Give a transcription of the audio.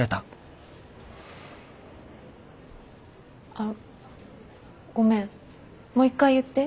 あっごめんもう一回言って。